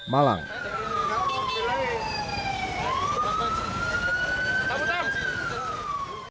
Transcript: jangan lupa like share dan subscribe ya